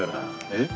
えっ？